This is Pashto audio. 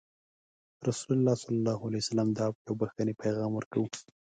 رسول الله صلى الله عليه وسلم د عفوې او بخښنې پیغام ورکوه.